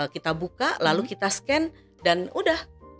kita buka lalu kita scan dan udah